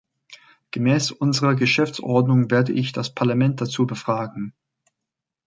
Gemäß unserer Geschäftsordnung werde ich das Parlament dazu befragen.